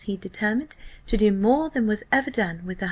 he determined to do more than was ever done with a 100l.